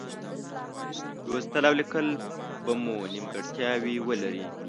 لوستل او لیکل به مو نیمګړتیاوې ولري.